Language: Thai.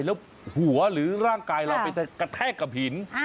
แล้วหัวหรือร่างกายเราไปกระแทกกับหิน